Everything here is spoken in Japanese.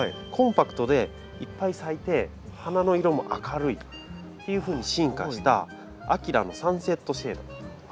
コンパクトでいっぱい咲いて花の色も明るいっていうふうに進化した‘アキラサンシェットシェード